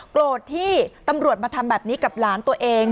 โกรธที่ตำรวจมาทำแบบนี้กับหลานตัวเอง